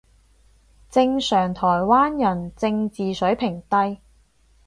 正常台灣人正字水平低